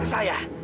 kamu sudah tahu